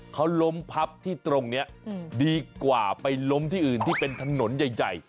เขาล้มพับที่ตรงนี้ดีกว่าไปล้มที่อื่นที่เป็นถนนใหญ่